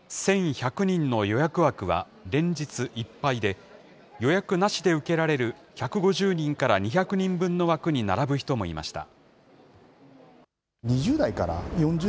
１１００人の予約枠は連日いっぱいで、予約なしで受けられる１５０人から２００人分の枠に並ぶ人もいました。